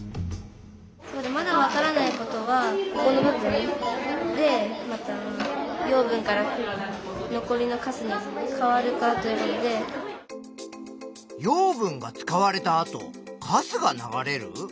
まだわからないことはここの部分でまた養分が使われたあとかすが流れる？